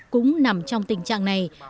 cũng nằm trong tình trạng này